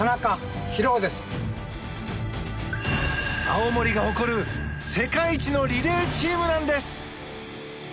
青森が誇る世界一のリレーチームなんです！